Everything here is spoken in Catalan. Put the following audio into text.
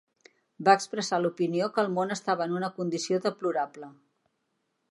Va expressar l'opinió que el món estava en una condició deplorable.